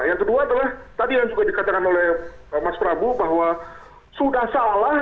yang kedua adalah tadi yang juga dikatakan oleh mas prabu bahwa sudah salah